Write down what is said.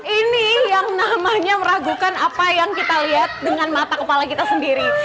ini yang namanya meragukan apa yang kita lihat dengan mata kepala kita sendiri